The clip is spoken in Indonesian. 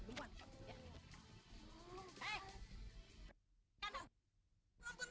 tidak salah ketelaluan